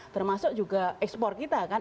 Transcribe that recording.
termasuk juga ekspor kita kan